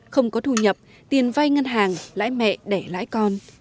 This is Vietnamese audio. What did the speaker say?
không có thu nhập tiền vay ngân hàng lãi mẹ đẻ lãi con